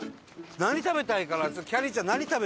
何食べたいかな？